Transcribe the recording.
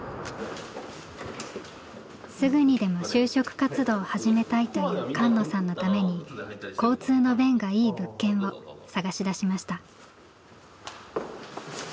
すぐにでも就職活動を始めたいという菅野さんのために交通の便がいい物件を探し出しました。